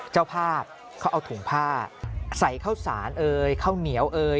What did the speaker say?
เจ้าภาพเขาเอาถุงผ้าใส่ข้าวสารเอ่ยข้าวเหนียวเอ่ย